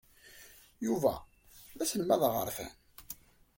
Yuba d aselmad aɣerfan.